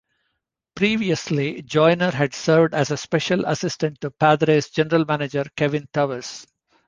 Previously, Joyner had served as a special assistant to Padres General Manager Kevin Towers.